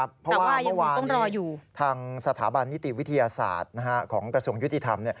เพราะว่าเมื่อวานทางสถาบันนิติวิทยาศาสตร์ของกระทรวงยุติธรรม